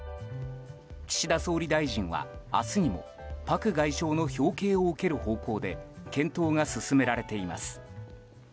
岸田総理大臣は、明日にもパク外相の表敬を受ける方向で検討が進められています。